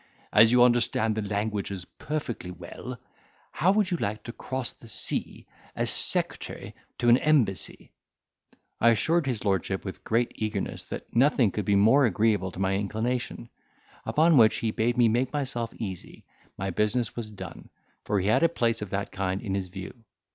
As you understand the languages perfectly well, how would you like to cross the sea as secretary to an embassy?" I assured his lordship, with great eagerness, that nothing could be more agreeable to my inclination: upon which he bade me make myself easy, my business was done, for he had a place of that kind in his view.